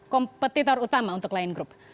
kompetitor utama untuk lion group